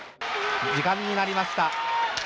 時間になりました。